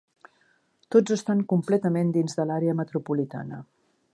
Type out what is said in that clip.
Tots estan completament dins de l'àrea metropolitana.